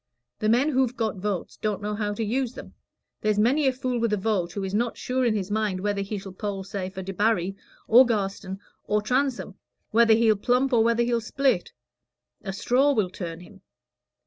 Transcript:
The men who've got votes don't know how to use them. There's many a fool with a vote, who is not sure in his mind whether he shall poll, say for Debarry, or Garstin, or Transome whether he'll plump or whether he'll split; a straw will turn him.